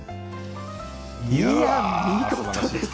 いやあ、見事です。